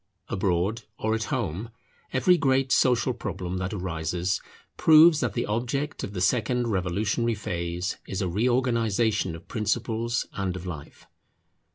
Abroad or at home, every great social problem that arises proves that the object of the second revolutionary phase is a reorganization of principles and of life.